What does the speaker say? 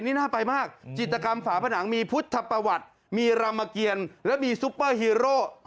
นี่น่าไปมากจิตกรรมฝาผนังมีพุทธประวัติมีรามเกียรและมีซุปเปอร์ฮีโร่